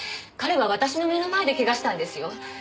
彼は私の目の前でけがしたんですよ。